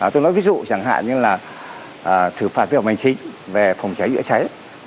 tôi nói ví dụ chẳng hạn như là xử phạt việc bàn chính về phòng cháy cháy cháy